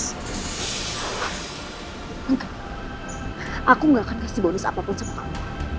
aku gak akan kasih bonus apapun sama kamu